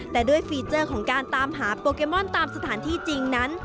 แต่ด้วยฟีเจอร์ของการตามหาโปเกมอนตามสถานที่จริงนั้น